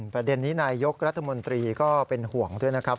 ประเด็นนี้นายยกรัฐมนตรีก็เป็นห่วงด้วยนะครับ